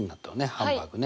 ハンバーグね。